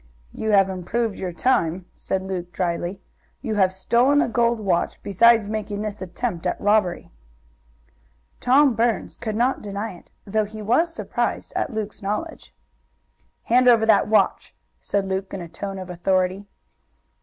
"You have improved your time," said Luke dryly. "You have stolen a gold watch, besides making this attempt at robbery." Tom Burns could not deny it, though he was surprised at Luke's knowledge. "Hand over that watch!" said Luke in a tone of authority.